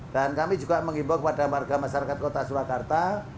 dan kami juga mengimbau kepada warga masyarakat kota surakarta